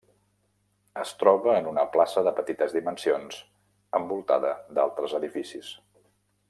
Es troba en una plaça de petites dimensions, envoltada d'altres edificis.